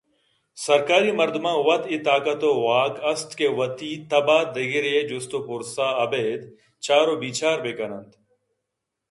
سرکاری مردماں وت اے طاقت ءُواک است کہ وتی تب ءَ دگرے ءِ جست ءُپرس ءَ ابید چار ءُبچار بہ کن اَنت